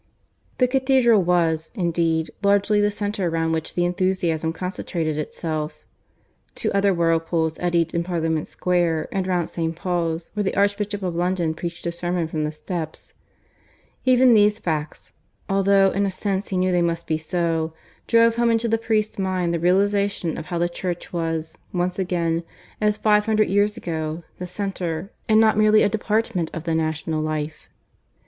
The cathedral was, indeed, largely, the centre round which the enthusiasm concentrated itself. Two other whirlpools eddied in Parliament Square, and round St. Paul's, where the Archbishop of London preached a sermon from the steps. Even these facts, although in a sense he knew they must be so, drove home into the priest's mind the realization of how the Church was, once again, as five hundred years ago, the centre and not merely a department of the national life.